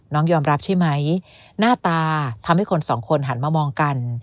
ยอมรับใช่ไหมหน้าตาทำให้คนสองคนหันมามองกัน